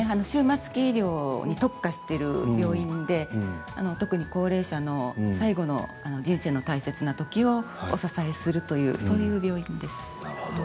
終末期医療に特化している病院で特に高齢者の最期の人生の大切な時をお支えするというそういう病院です。